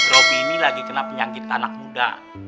robi ini lagi kena penyakit anak muda